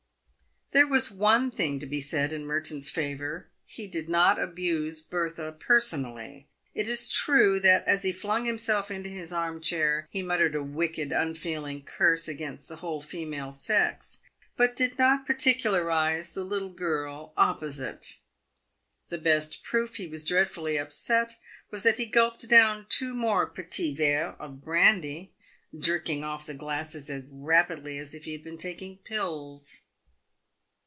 There was one thing to be said in Merton's favour — he did not abuse Bertha personally. It is true that, as he flung himself into his arm chair, he muttered a wicked, unfeeling curse against the whole female sex, but did not particularise the little girl opposite. The best proof he was dreadfully upset was that he gulped down two more petits verves of brandy, jerking off the glasses as rapidly as if he had been taking pills.